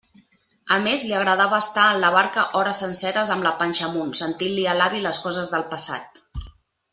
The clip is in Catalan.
A més li agradava estar en la barca hores senceres amb la panxa amunt, sentint-li a l'avi les coses del passat.